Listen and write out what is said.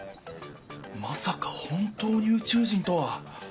まさか本当に宇宙人とは。